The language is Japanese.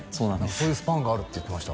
そういうスパンがあるって言ってました